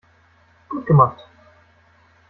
Gut gemacht.